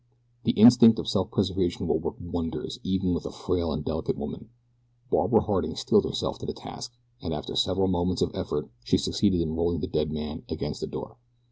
The instinct of self preservation will work wonders even with a frail and delicate woman. Barbara Harding steeled herself to the task, and after several moments of effort she succeeded in rolling the dead man against the door.